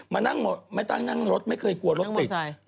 มานั่งไม่ตั้งนั่งรถไม่เคยกลัวรถติด